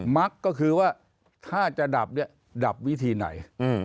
มักก็คือว่าถ้าจะดับเนี่ยดับวิธีไหน